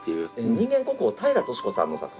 人間国宝平良敏子さんの作品。